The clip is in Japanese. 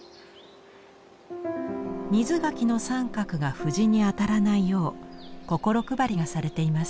瑞垣の三角が藤に当たらないよう心配りがされています。